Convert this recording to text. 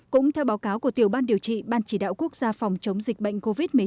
cũng theo báo cáo của tiểu ban điều trị ban chỉ đạo quốc gia phòng chống dịch bệnh covid một mươi chín